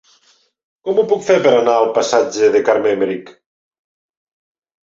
Com ho puc fer per anar al passatge de Carme Aymerich?